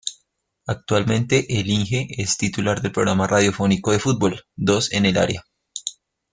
Actualmente, "el Inge" es titular del programa radiofónico de fútbol "Dos en el área.